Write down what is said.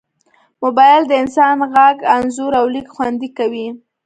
موبایل د انسان غږ، انځور، او لیک خوندي کوي.